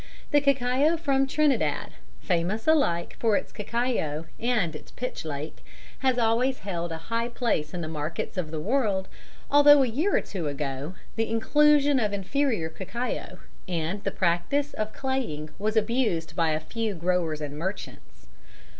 The cacao from Trinidad (famous alike for its cacao and its pitch lake) has always held a high place in the markets of the world, although a year or two ago the inclusion of inferior cacao and the practice of claying was abused by a few growers and merchants.